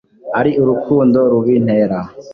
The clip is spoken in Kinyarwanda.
Ari urukundo rubintera